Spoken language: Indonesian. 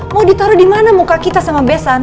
mau ditaruh dimana muka kita sama besan